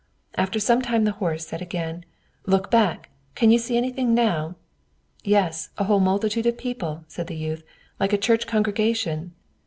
After some time the horse again said, "Look back: can you see anything now?" "Yes, a whole multitude of people," said the youth, "like a church congregation."